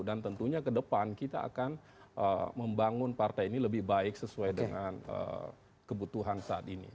dan tentunya ke depan kita akan membangun partai ini lebih baik sesuai dengan kebutuhan saat ini